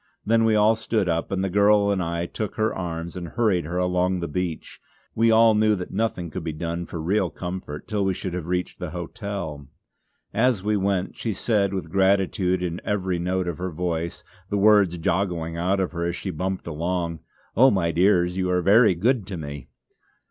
Then we all stood up, and the girl and I took her arms and hurried her along the beach; we all knew that nothing could be done for real comfort till we should have reached the hotel. As we went she said with gratitude in every note of her voice, the words joggling out of her as she bumped along: "Oh, my dears, you are very good to me."